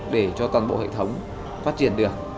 để cho toàn bộ hệ thống phát triển được